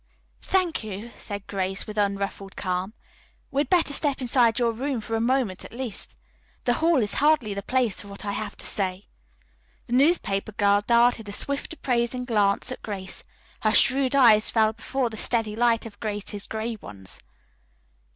"Thank you," said Grace with unruffled calm. "We had better step inside your room, for a moment, at least. The hall is hardly the place for what I have to say." The newspaper girl darted a swift, appraising glance at Grace. Her shrewd eyes fell before the steady light of Grace's gray ones.